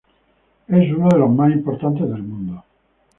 Es uno de los más importantes del mundo.